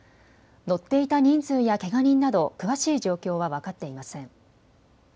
乗っていた人数やけが人など詳しい状況は分かっていません。